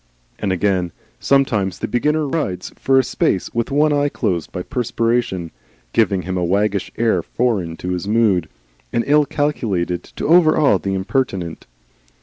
And again, sometimes the beginner rides for a space with one eye closed by perspiration, giving him a waggish air foreign to his mood and ill calculated to overawe the impertinent.